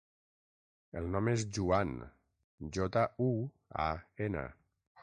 El nom és Juan: jota, u, a, ena.